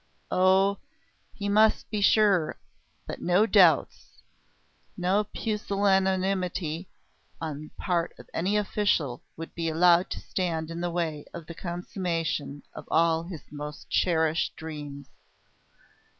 Oh! he must be sure that no doubts, no pusillanimity on the part of any official would be allowed to stand in the way of the consummation of all his most cherished dreams.